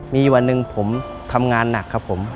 มีวันหนึ่งผมทำงานหนักครับผม